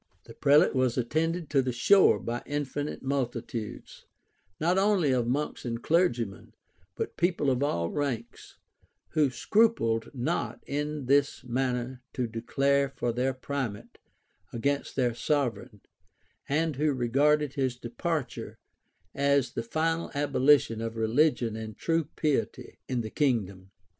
The prelate was attended to the shore by infinite multitudes, not only of monks and clergymen, but people of all ranks, who scrupled not in this manner to declare for their primate against their sovereign, and who regarded his departure as the final abolition of religion and true piety in the kingdom.